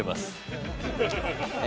え